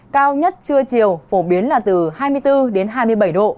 cao nhất trưa chiều phổ biến là từ hai mươi bốn đến hai mươi bảy độ